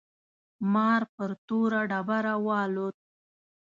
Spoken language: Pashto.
مار پر توره ډبره والوت.